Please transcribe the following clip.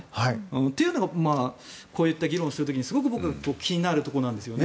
っていうのがこういった議論をする時にすごく僕は気になるところなんですよね。